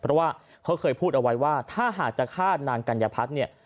เพราะว่าเขาเคยพูดเอาไว้ว่าถ้าหากจะฆ่านางกัญญพัฒน์เนี่ย